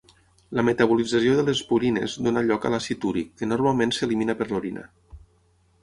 La metabolització de les purines dóna lloc a l'àcid úric, que normalment s'elimina per l'orina.